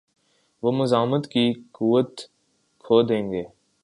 وہ مزاحمت کی قوت کھو دیں گے۔